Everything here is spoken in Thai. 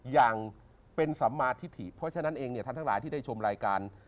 อย่างเป็นสมาธิถิเพราะฉะนั้นเองเนี่ยท่านทั้งหลายที่ได้ชมรายการ